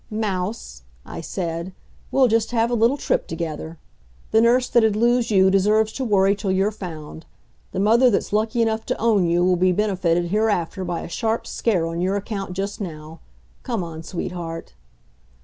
"Mouse," I said, "we'll just have a little trip together. The nurse that'd lose you deserves to worry till you're found. The mother that's lucky enough to own you will be benefited hereafter by a sharp scare on your account just now. Come on, sweetheart!"